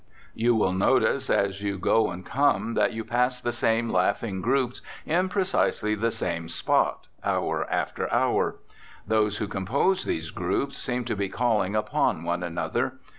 You will notice as you go and come that you pass the same laughing groups in precisely the same spot, hour after hour. Those who compose these groups seem to be calling upon one another.